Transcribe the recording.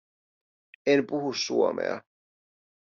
En puhu suomea